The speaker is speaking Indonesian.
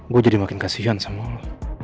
gue jadi makin kasian sama lo